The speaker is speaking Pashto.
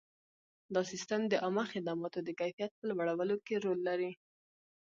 دا سیستم د عامه خدماتو د کیفیت په لوړولو کې رول لري.